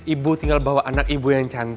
ibu tinggal bawa anak ibu yang cantik